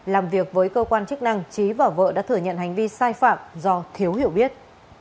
làm việc với cơ quan chức năng trí và vợ đã thừa nhận hành vi sai phạm do thiếu hiểu biết